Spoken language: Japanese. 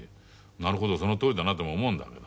なるほどそのとおりだなとも思うんだけど。